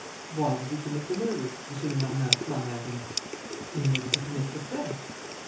..." "Why did he commit the murder?" M. Lenormand flung at him. "In order to commit the theft."